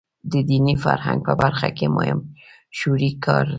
د دیني فرهنګ په برخه کې مهم شعوري کار دی.